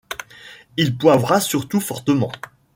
Il poivra surtout fortement.